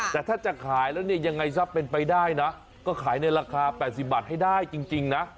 แต่ถ้าจะขายแล้วเนี่ยยังไงซะเป็นไปได้นะก็ขายในราคา๘๐บาทให้ได้จริงนะ